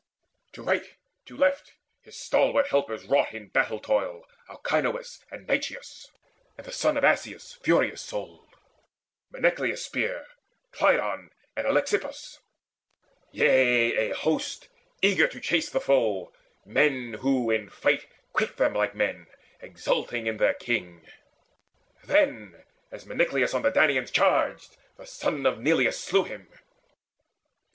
To right, to left His stalwart helpers wrought in battle toil, Alcyoneus and Nychius, and the son Of Asius furious souled; Meneclus' spear, Clydon and Alexippus, yea, a host Eager to chase the foe, men who in fight Quit them like men, exulting in their king. Then, as Meneclus on the Danaans charged, The son of Neleus slew him.